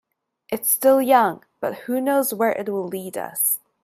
It's still young, but who knows where it will lead us.